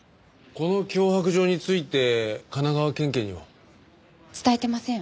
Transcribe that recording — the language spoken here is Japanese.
この脅迫状について神奈川県警には？伝えてません。